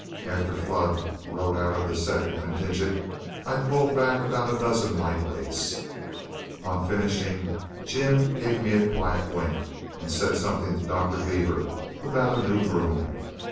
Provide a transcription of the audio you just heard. After Flood rode out of this second contingent, I culled back about a dozen light weights. On finishing, Jim gave me a quiet wink, and said something to Dr. Beaver about a new broom.